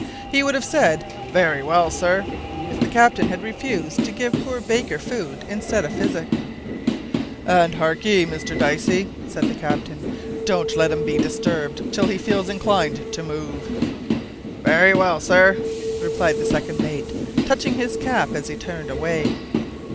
He would have said, "Very well, sir," if the captain had refused to give poor Baker food instead of physic. "And hark'ee, Mr Dicey," said the captain, "don't let him be disturbed till he feels inclined to move." "Very well, sir," replied the second mate, touching his cap as he turned away.